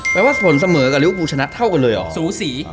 แปลว่าผลเสมอกับริวภูร์ชนะเท่ากันเลยหรอสูสี